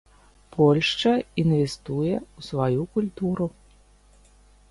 Польшча інвестуе ў сваю культуру.